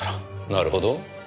なるほど。